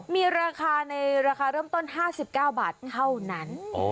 มีราคาในราคาเริ่มต้น๕๙บาทเท่านั้น